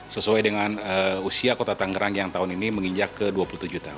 sesuai dengan usia kota tangerang yang tahun ini menginjak ke dua puluh tujuh tahun